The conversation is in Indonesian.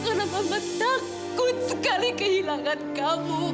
karena mama takut sekali kehilangan kamu